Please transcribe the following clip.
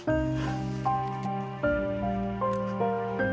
โอ้โอ้โอ้โอ้